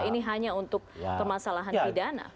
ini hanya untuk permasalahan pidana